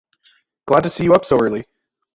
Glad to see you up so early.